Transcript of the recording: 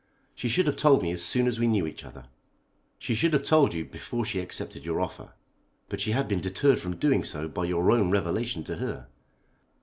"She should have told me as soon as we knew each other." "She should have told you before she accepted your offer. But she had been deterred from doing so by your own revelation to her.